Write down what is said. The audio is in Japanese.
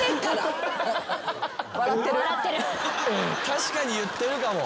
確かに言ってるかも。